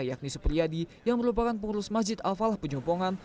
yakni supriyadi yang merupakan pengurus masjid al falah penyumpongan